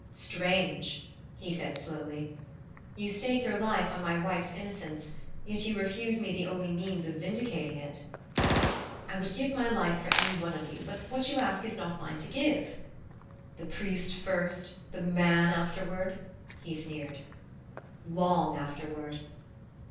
"Strange," he said slowly. "You stake your life on my wife's innocence, yet you refuse me the only means of vindicating it!" "I would give my life for any one of you but what you ask is not mine to give." "The priest first the man afterward?" he sneered. "Long afterward!"